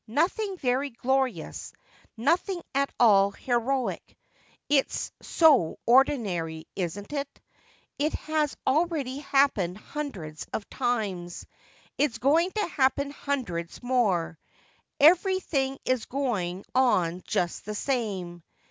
Nothing very glorious, nothing at all heroic. It's so ordinary, isn't it? It has already happened hundreds of times. It's going to happen hundreds more. Every thing is going on just the same.